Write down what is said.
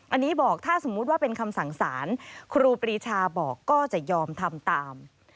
อันนี้บอกถ้าสมมุติว่าเป็นคำสั่งสารครูปรีชาบอกก็จะยอมทำตาม